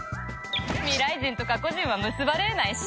未来人と過去人は結ばれないし。